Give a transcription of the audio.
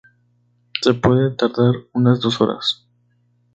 Se puede tardar unas dos horas.